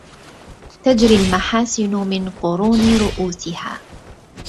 تجري المحاسن من قرون رؤوسها